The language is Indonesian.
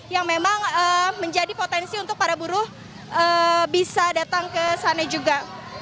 yang memang menjadi potensi untuk para buruh bisa datang ke sana juga